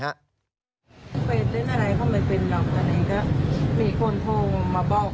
ไปเต้นอะไรเขาไม่เป็นหรอก